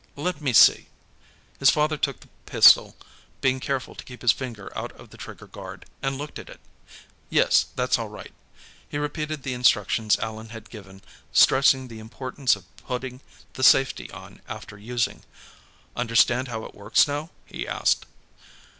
"Let me see." His father took the pistol, being careful to keep his finger out of the trigger guard, and looked at it. "Yes, that's all right." He repeated the instructions Allan had given, stressing the importance of putting the safety on after using. "Understand how it works, now?" he asked.